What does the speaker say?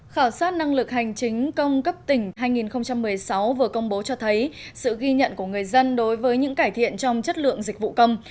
khảo sát năng lực hành chính công cấp tỉnh hai nghìn một mươi sáu vừa công bố cho thấy sự ghi nhận của người dân đối với những cải thiện trong chất lượng dịch vụ công